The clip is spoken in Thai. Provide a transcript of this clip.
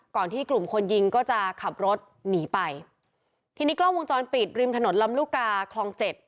ที่กลุ่มคนยิงก็จะขับรถหนีไปทีนี้กล้องวงจรปิดริมถนนลำลูกกาคลองเจ็ด